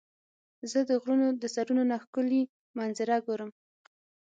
زه د غرونو د سرونو نه ښکلي منظره ګورم.